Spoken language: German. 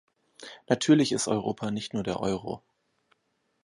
Natürlich ist Europa nicht nur der Euro.